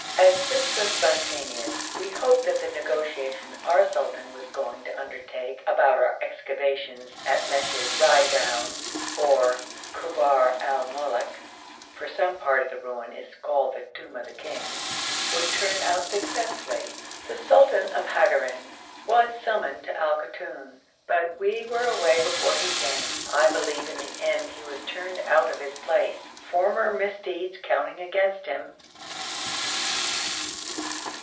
As this was spontaneous, we hoped that the negotiation our sultan was going to undertake about our making excavations at Meshed, Raidoun, or Kubar al Moluk (for some part of the ruins is called Tombs of the Kings), would turn out successfully. The sultan of Hagarein was summoned to Al Koton, but we were away before he came. I believe in the end he was turned out of his place, former misdeeds counting against him.